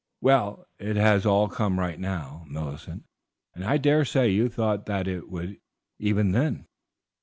"Well, it has all come right now, Millicent, and I dare say you thought that it would, even then."